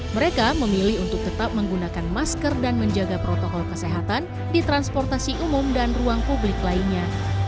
mereka memilih untuk tetap menggunakan masker dan menjaga protokol kesehatan di transportasi umum dan ruang publik lainnya